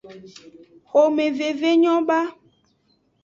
Xomeveve nyo ba.